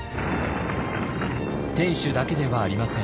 天守だけではありません。